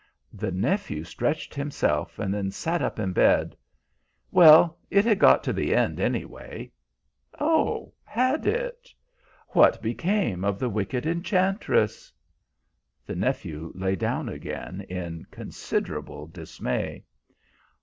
The nephew stretched himself and then sat up in bed. "Well, it had got to the end, anyway." "Oh, had it? What became of the wicked enchantress?" The nephew lay down again, in considerable dismay.